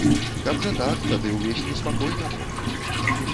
Каб жа так, тады ўвесь неспакой набок.